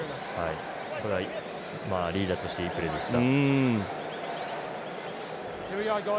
リーダーとしていいプレーでした。